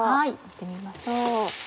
見てみましょう。